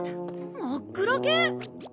真っ暗け！